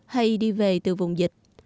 hay đi về từ vùng dịch